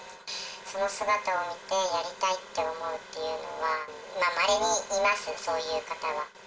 その姿を見て、やりたいと思うというのは、まれにいます、そういう方は。